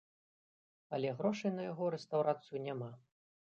Але грошай на яго рэстаўрацыю няма.